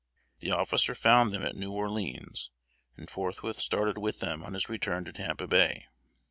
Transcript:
The officer found them at New Orleans, and forthwith started with them on his return to Tampa Bay.